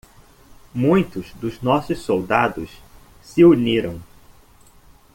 Muitos dos nossos soldados se uniram.